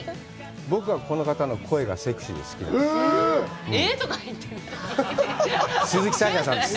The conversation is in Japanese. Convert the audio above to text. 僕はこの方の声がセクシーで好きです。